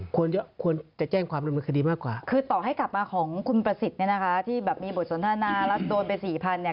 ควรจะแจ้งความคุณประสิทธิ์ที่แบบมีบทศนธนาทรัพย์และโดนไป๔๐๐๐พลีคจีน